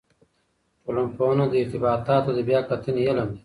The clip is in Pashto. ټولنپوهنه د ارتباطاتو د بیا کتنې علم دی.